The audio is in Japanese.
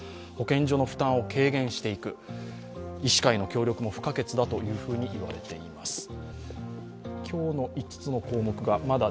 保健所の負担を軽減していく、医師界の協力も不可欠だと言われています。